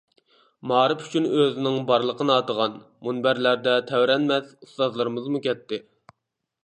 مائارىپ ئۈچۈن ئۆزىنىڭ بارلىقىنى ئاتىغان، مۇنبەرلەردە تەۋرەنمەس ئۇستازلىرىمىزمۇ كەتتى.